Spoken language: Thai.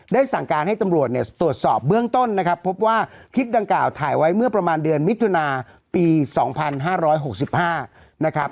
ได้สั่งการให้ตำรวจตรวจสอบเบื้องต้นนะครับพบว่าคลิปดังกล่าวถ่ายไว้เมื่อประมาณเดือนมิถุนาปีสองพันห้าร้อยหกสิบห้านะครับ